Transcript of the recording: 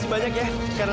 itu hanya sebuah berše